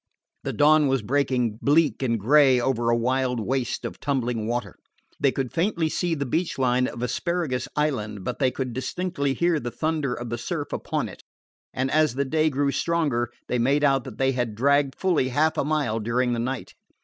The dawn was breaking bleak and gray over a wild waste of tumbling water. They could faintly see the beach line of Asparagus Island, but they could distinctly hear the thunder of the surf upon it; and as the day grew stronger they made out that they had dragged fully half a mile during the night.